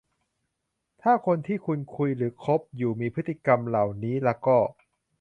ถ้าคนที่คุณคุยหรือคบอยู่มีพฤติกรรมเหล่านี้ละก็